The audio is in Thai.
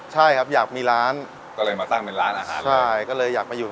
ใช่ครับอยากมีร้านก็เลยมาตั้งเป็นร้านอาหารใช่ก็เลยอยากไปอยู่